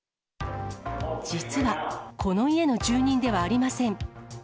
実はこの家の住人ではありません。